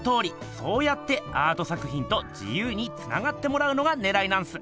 そうやってアート作ひんと自ゆうにつながってもらうのがねらいなんす。